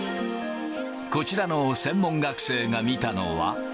こちらの専門学生が見たのは。